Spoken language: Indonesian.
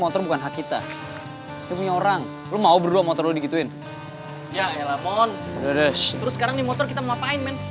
terus sekarang nih motor kita mau ngapain men